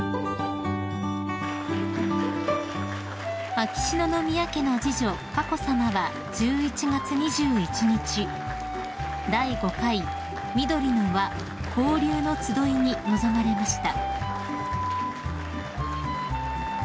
［秋篠宮家の次女佳子さまは１１月２１日第５回「みどりの『わ』交流のつどい」に臨まれました］